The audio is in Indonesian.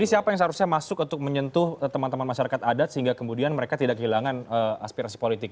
ini siapa yang seharusnya masuk untuk menyentuh teman teman masyarakat adat sehingga kemudian mereka tidak kehilangan aspirasi politik